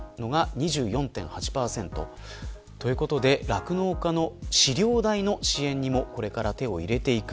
酪農家の飼料代の支援にもこれから手を入れていく。